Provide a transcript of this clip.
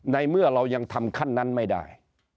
ในเมื่อเรายังทำขั้นนั้นไม่ได้